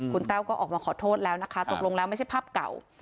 คุณแต้วก็ออกมาขอโทษแล้วนะคะตกลงแล้วไม่ใช่ภาพเก่า